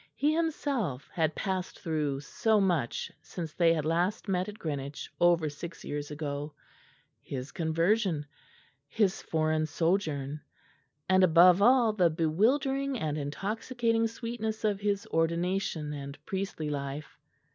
He himself had passed through so much since they had last met at Greenwich over six years ago his conversion, his foreign sojourn, and, above all, the bewildering and intoxicating sweetness of his ordination and priestly life.